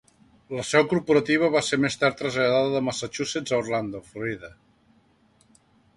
La seu corporativa va ser més tard traslladada de Massachusetts a Orlando, Florida.